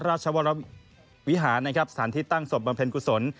ราชวรวิหารย์สถานที่ตั้งศพบำเพล็นกุศล